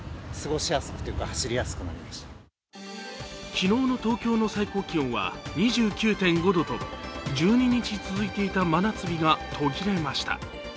昨日の東京の最高気温は２９．５度と１２日続いていた真夏日が途切れました。